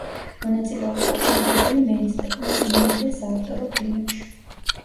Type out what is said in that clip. მონაწილეობა აქვს მიღებული მეინსტრიმულ, ინდი და საავტორო ფილმებში.